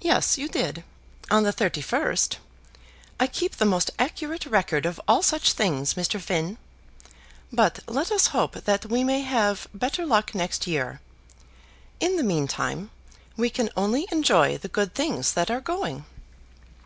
"Yes, you did; on the 31st. I keep the most accurate record of all such things, Mr. Finn. But let us hope that we may have better luck next year. In the meantime, we can only enjoy the good things that are going."